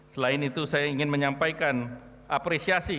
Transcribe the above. selain itu saya ingin menyampaikan apresiasi